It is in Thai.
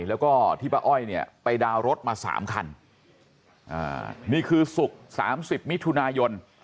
แล้วก็ที่ป้าอ้อยเนี่ยไปดาวรถมาสามคันอ่านี่คือสุกสามสิบมิตรทุนายน